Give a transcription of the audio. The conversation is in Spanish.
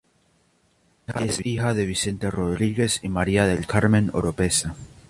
Es hija de Vicente Rodríguez y María del Carmen Oropeza.